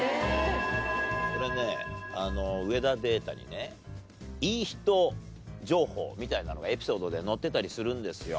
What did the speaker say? これねあの「上田ＤＡＴＥ」にねいい人情報みたいなのがエピソードで載ってたりするんですよ。